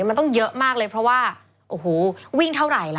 มันต้องเยอะมากเลยเพราะว่าโอ้โหวิ่งเท่าไหร่ล่ะ